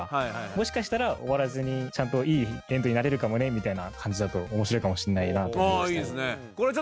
もしかしたら終わらずにちゃんといいエンドになれるかもねみたいな感じだと面白いかもしれないなと思いました。